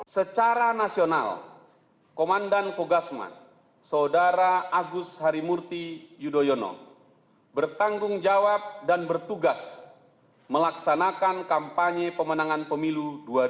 secara nasional komandan kogasman saudara agus harimurti yudhoyono bertanggung jawab dan bertugas melaksanakan kampanye pemenangan pemilu dua ribu dua puluh